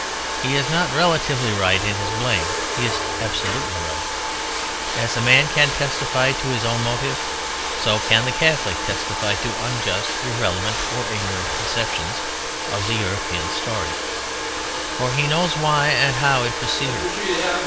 He is not relatively right in his blame, he is absolutely right. As a man can testify to his own motive so can the Catholic testify to unjust, irrelevant, or ignorant conceptions of the European story; for he knows why and how it proceeded.